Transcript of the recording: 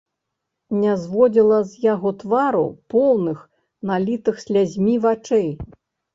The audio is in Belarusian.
Не зводзіла з яго твару поўных, налітых слязьмі вачэй.